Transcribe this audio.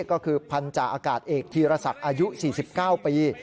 ก็คือพันธาอากาศเอกธีรศักดิ์อายุ๔๙ปี